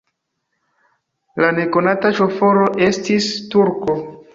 La nekonata ŝoforo estis turko.